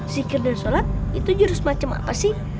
zikir dan sholat itu jurus macam apa sih